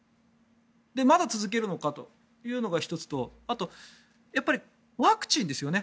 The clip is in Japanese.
まだ続けるのかというのが１つとあと、ワクチンですよね。